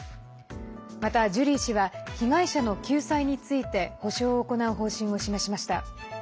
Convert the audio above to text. また、ジュリー氏は被害者の救済について補償を行う方針を示しました。